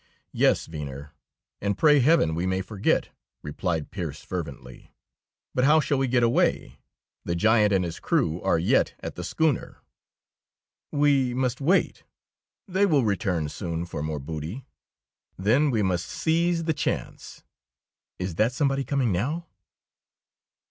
"Yes, Venner, and pray Heaven we may forget!" replied Pearse fervently. "But how shall we get away? The giant and his crew are yet at the schooner." "We must wait. They will return soon for more booty. Then we must seize the chance. Is that somebody coming now?"